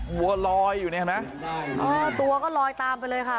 วัวลอยอยู่นี่เห็นไหมเออตัวก็ลอยตามไปเลยค่ะ